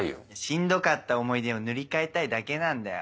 しんどかった思い出を塗り替えたいだけなんだよ。